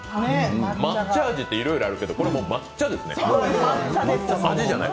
抹茶味っていろいろあるけどこれ、抹茶ですね、味じゃない。